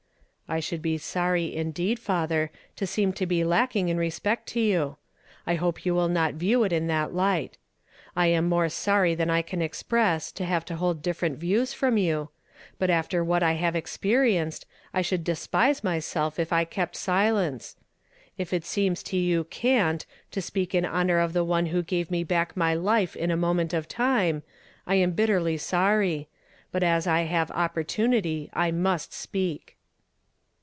" I should be sorr ), indeed, fatlier, to seoni to be lacking in respect to you. 1 hope you will not view it in that light. I am more sorry than I can express to have to hold different vie \vs from yon ; but after what 1 have experienced, I should despise myself if I kept silen< e. If it seems to yon » eant ' to speak in honor of the one who gave me back my life in a moment of time, I am bitterly sorry ; but as I have opportunity, I must speak."